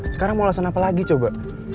sekarang mau alasan apa lagi coba